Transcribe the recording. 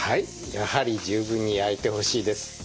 やはり十分に焼いてほしいです。